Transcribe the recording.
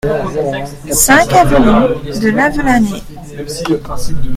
cinq avenue de Lavelanet